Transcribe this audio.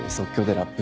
ラップ？